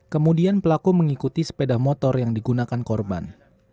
kemudian pelaku mengikuti sepeda motor yang digunakan korban